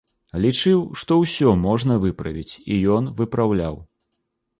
Лічыў, што ўсё можна выправіць, і ён выпраўляў.